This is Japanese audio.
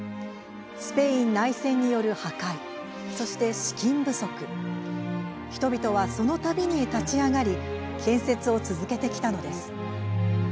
スペイン内戦による破壊そして資金不足人々は、そのたびに立ち上がり建設を続けてきたのです。